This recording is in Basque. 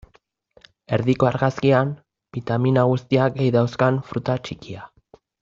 Erdiko argazkian, bitamina guztiak ei dauzkan fruta txikia.